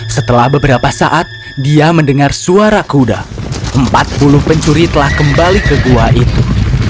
setelah beberapa saat dia mendengar suara kuda empat puluh pencuri telah kembali ke gua itu